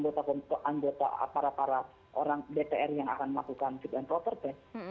pertanyaan dari anggota para orang dpr yang akan melakukan fit and proper test